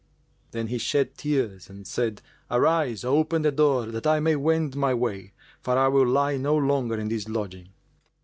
Then he shed tears and said, "Arise, open the door, that I may wend my way, for I will lie no longer in this lodging."